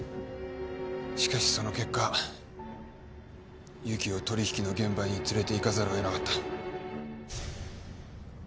しかしその結果由岐を取引の現場に連れていかざるを得なかった。